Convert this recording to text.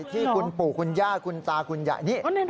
ที่คุณปู่คุณย่าคุณตาคุณยายนี่